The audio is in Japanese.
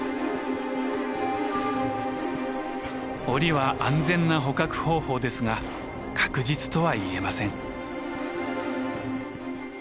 檻は安全な捕獲方法ですが確実とは言えません。